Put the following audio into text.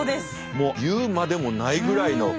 もう言うまでもないぐらいの。